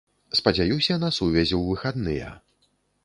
Спадзяюся на сувязь у выхадныя.